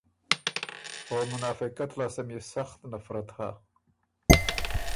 او منافقت لاسته ميې سخت نفرت هۀ۔